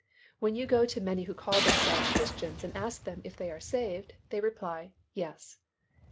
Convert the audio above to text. When you go to many who call themselves Christians and ask them if they are saved, they reply, "Yes."